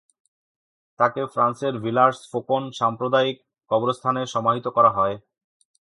তাঁকে ফ্রান্সের ভিলার্স-ফোকন সাম্প্রদায়িক কবরস্থানে সমাহিত করা হয়।